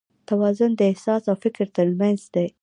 توازن د احساس او فکر تر منځ دی.